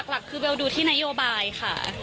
ของเบลหลักคือเบลดูในโนโยบายค่ะ